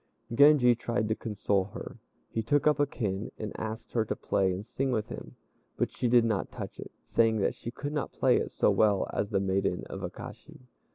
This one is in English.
Genji tried to console her. He took up a kin and asked her to play and sing with him; but she did not touch it, saying that she could not play it so well as the maiden of Akashi.